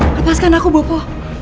lepaskan aku bopo